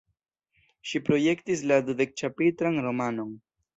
Ŝi projektis la dudek-ĉapitran romanon.